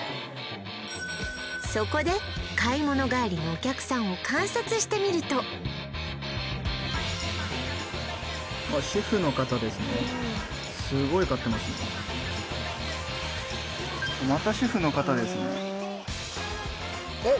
そこで買い物帰りのお客さんを観察してみるとスゴい買ってますねえっ